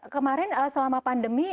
kemarin selama pandemi